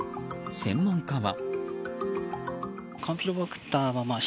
専門家は。